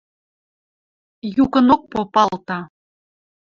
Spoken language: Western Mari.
Юкынок попалта.